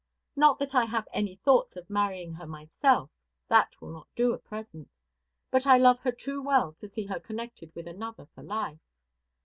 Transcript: Not that I have any thoughts of marrying her myself; that will not do at present. But I love her too well to see her connected with another for life.